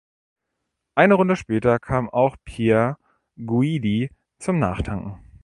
Eine Runde später kam auch Pier Guidi zum Nachtanken.